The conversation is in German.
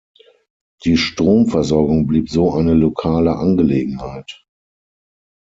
Die Stromversorgung blieb so eine lokale Angelegenheit.